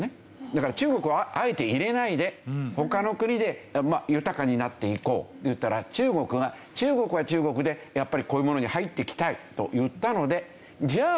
だから中国をあえて入れないで他の国で豊かになっていこうっていったら中国が中国は中国でやっぱりこういうものに入ってきたいと言ったのでじゃあ